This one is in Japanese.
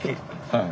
はい。